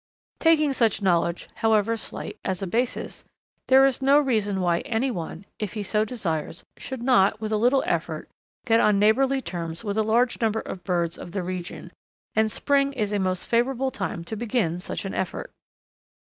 Taking such knowledge, however slight, as a basis, there is no reason why any one, if he so desires, should not, with a little effort, get on neighbourly terms with a large number of birds of the region, and spring is a most favourable time to begin such an effort.